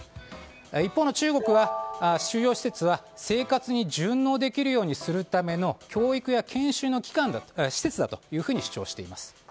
一方の中国は収容施設は生活に順応できるようにするための教育や研修の施設だと主張しています。